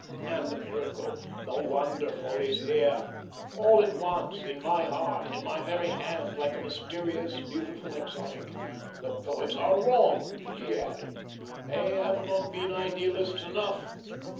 And the miracle, the wonderful is there all at once in my heart, in my very hand, like a mysterious, beautiful exotic. The poets are wrong," he added. "They have not been idealists enough.